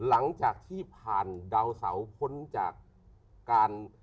หลังจากที่ผ่านดาวเสาพ้นจากการ